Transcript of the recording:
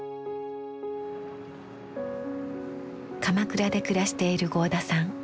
鎌倉で暮らしている合田さん。